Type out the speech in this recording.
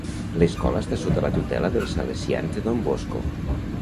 L'escola està sota la tutela dels Salesians de Don Bosco.